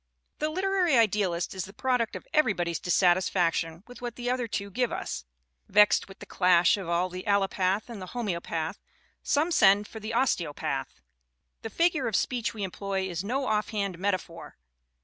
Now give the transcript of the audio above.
The literary idealist is the product of everybody's dissatisfaction with what the other two give us. Vexed with the clash of the allopath and the homeo path, some send for the osteopath. The figure of speech we employ is no offhand metaphor.